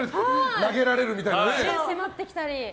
投げられるみたいなね。